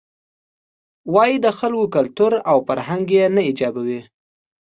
وایې د خلکو کلتور او فرهنګ یې نه ایجابوي.